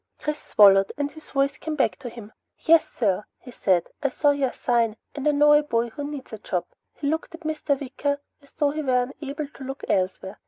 Chris swallowed and his voice came back to him. "Yes sir," he said. "I saw your sign, and I know a boy who needs the job." He looked at Mr. Wicker as though he were unable to look elsewhere.